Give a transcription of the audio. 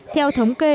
theo thống kê